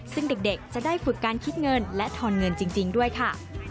ซึ่งเด็กจะได้ฝึกการคิดเงินและทอนเงินจริงด้วยค่ะ